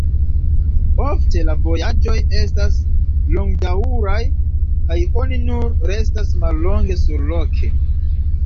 Ofte la vojaĝoj estas longdaŭraj kaj oni nur restas mallonge surloke.